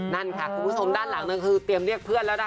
นั่นค่ะคุณผู้ชมด้านหลังนึงคือเตรียมเรียกเพื่อนแล้วนะคะ